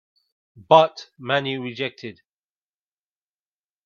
But Mani rejected.